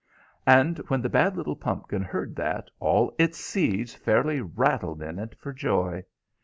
"] "And when the bad little pumpkin heard that, all its seeds fairly rattled in it for joy.